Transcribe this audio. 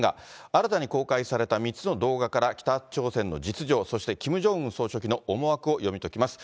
新たに公開された３つの動画から、北朝鮮の実情、そしてキム・ジョンウン総書記の思惑を読み解きます。